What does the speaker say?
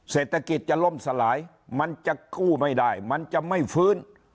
เศรษฐกิจจะล่มสลายมันจะกู้ไม่ได้มันจะไม่ฟื้น